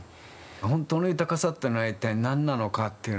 本当の豊かさっていうのは一体何なのかっていうのはね